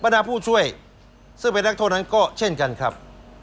ดาผู้ช่วยซึ่งเป็นนักโทษนั้นก็เช่นกันครับ